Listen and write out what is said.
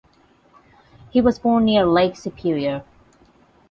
He was born near Lake Superior.